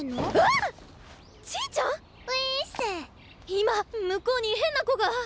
今向こうに変な子が。